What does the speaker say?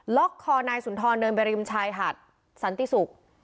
ล็อกคอนายสุนทรเดินไปริมชายหัดสันติสุก